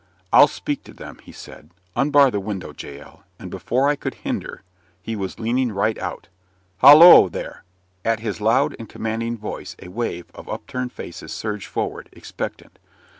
"I'll speak to them," he said. "Unbar the window, Jael;" and before I could hinder, he was leaning right out. "Holloa, there!" At his loud and commanding voice a wave of up turned faces surged forward, expectant.